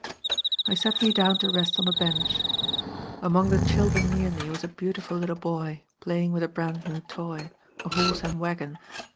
"I sat me down to rest on a bench. Among the children near me was a beautiful little boy, playing with a brand new toy a horse and wagon.